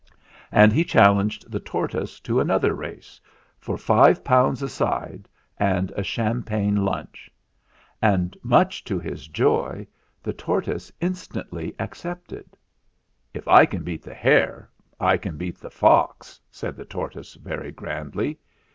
And he challenged the THE ZAGABOG'S STORY 151 tortoise to another race, for five pounds a side and a champagne lunch ; and, much to his joy, the tortoise instantly accepted. 'If I can beat the hare, I can beat the fox/ said the tortoise very grandly.